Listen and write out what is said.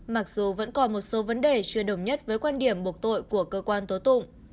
mặc dù vẫn còn một số vấn đề chưa đồng nhất với quan điểm buộc tội của cơ quan tố tụng